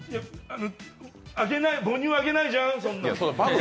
あの、母乳あげないじゃん、そんな。